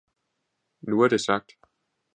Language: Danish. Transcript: Nu er det sagt!